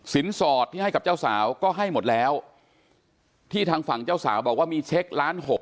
สอดที่ให้กับเจ้าสาวก็ให้หมดแล้วที่ทางฝั่งเจ้าสาวบอกว่ามีเช็คล้านหก